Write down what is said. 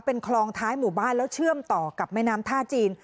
เป็นคลองท้ายหมู่บ้านแล้วเชื่อมต่อกับแม่น้ำท่าจีน